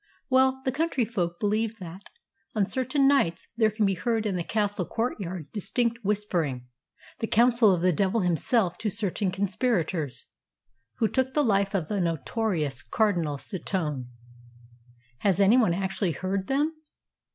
"Well, the countryfolk believe that, on certain nights, there can be heard in the castle courtyard distinct whispering the counsel of the devil himself to certain conspirators who took the life of the notorious Cardinal Setoun." "Has any one actually heard them?"